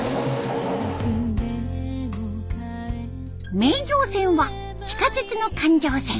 名城線は地下鉄の環状線。